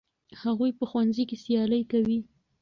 هغوی په ښوونځي کې سیالي کوي.